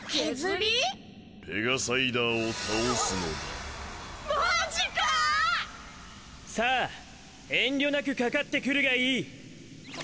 ペガサイダーを倒すマぁジかさあ遠慮なくかかってくるがいい